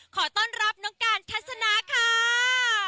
ขอต้อนรับน้องการทัศนาค่ะ